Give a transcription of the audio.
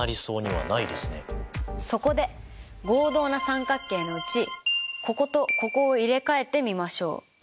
そこで合同な三角形のうちこことここを入れ替えてみましょう。